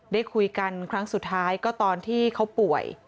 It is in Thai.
ได้คุยกันครั้งสุดท้ายก็ตอนที่เขาป่วย